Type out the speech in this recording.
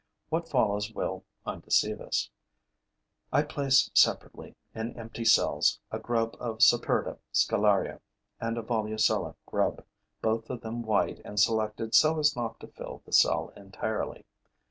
What follows will undeceive us: I place separately, in empty cells, a grub of Saperda scalaria and a Volucella grub, both of them white and selected so as not to fill the cell entirely.